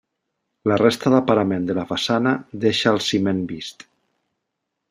La resta de parament de la façana deixa el ciment vist.